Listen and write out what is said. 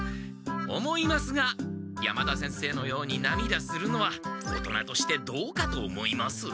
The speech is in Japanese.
思いますが山田先生のようになみだするのは大人としてどうかと思います。